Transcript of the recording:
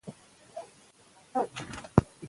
عطایي د خپلو لیکنو له لارې خلکو ته پوهاوی ورکړی دی.